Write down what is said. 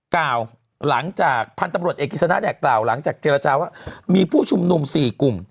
กล่าวหลังจากพันธุ์ตำรวจเอกกิจสนะเนี่ยกล่าวหลังจากเจรจาว่ามีผู้ชุมนุม๔กลุ่ม